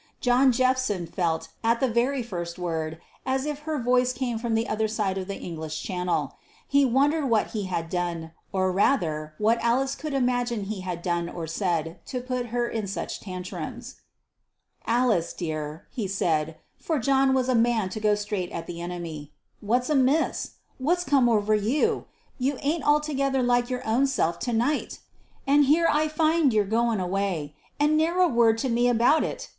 John Jephson felt, at the very first word, as if her voice came from the other side of the English Channel. He wondered what he had done, or rather what Alice could imagine he had done or said, to put her in such tantrums. "Alice, my dear," he said for John was a man to go straight at the enemy, "what's amiss? What's come over you? You ain't altogether like your own self to night! And here I find you're goin' away, and ne'er a word to me about it!